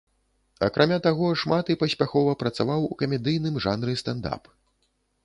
Акрамя таго, шмат і паспяхова працаваў у камедыйным жанры стэнд-ап.